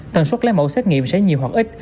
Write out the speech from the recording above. tần suất lấy mẫu xét nghiệm sẽ nhiều hoặc ít